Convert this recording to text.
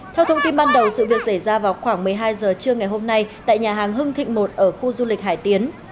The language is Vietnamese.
theo thông tin ban đầu sự việc xảy ra vào khoảng một mươi hai h trưa ngày hôm nay tại nhà hàng hưng thịnh một ở khu du lịch hải tiến